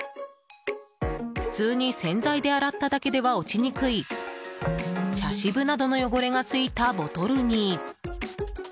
普通に洗剤で洗っただけでは落ちにくい茶渋などの汚れが付いたボトルに。